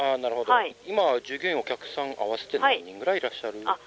今は従業員、お客さん合わせて何人ぐらいいますか？